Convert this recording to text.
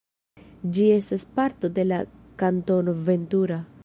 Ĝi estas parto de la Kantono Ventura.